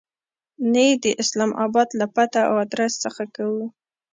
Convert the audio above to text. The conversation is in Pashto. نه یې د اسلام آباد له پته او آدرس څخه کوو.